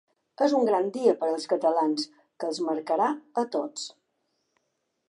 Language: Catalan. És un gran dia per als catalans, que els marcarà a tots.